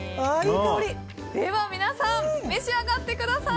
では皆さん召し上がってください。